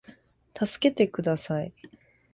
たすけてください